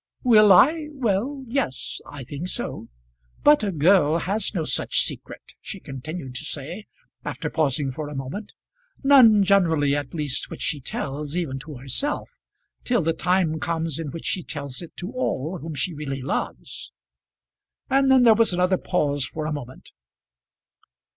"Will I? Well, yes; I think so. But a girl has no such secret," she continued to say, after pausing for a moment. "None, generally, at least, which she tells, even to herself, till the time comes in which she tells it to all whom she really loves." And then there was another pause for a moment.